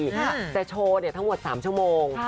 มันจะโชว์ทั้งหมด๓ชั่วโมง